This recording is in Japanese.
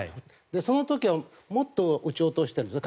その時はもっと撃ち落としてるんですね。